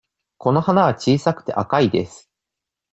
この花は小さくて赤いです。